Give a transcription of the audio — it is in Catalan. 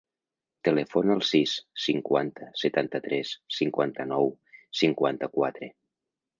Telefona al sis, cinquanta, setanta-tres, cinquanta-nou, cinquanta-quatre.